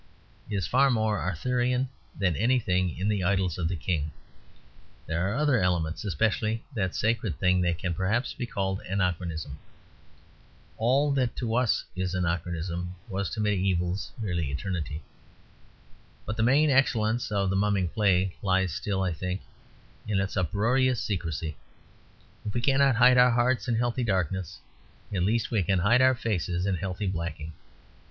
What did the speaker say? is far more Arthurian than anything in The Idylls of the King. There are other elements; especially that sacred thing that can perhaps be called Anachronism. All that to us is Anachronism was to mediævals merely Eternity. But the main excellence of the Mumming Play lies still, I think, in its uproarious secrecy. If we cannot hide our hearts in healthy darkness, at least we can hide our faces in healthy blacking.